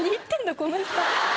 この人。